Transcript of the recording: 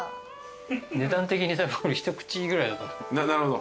値段的に１口ぐらいだと思う。